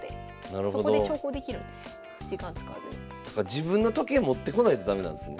自分の時計持ってこないと駄目なんですね。